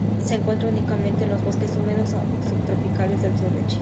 Se encuentra únicamente en los bosques húmedos subtropicales del sur de China.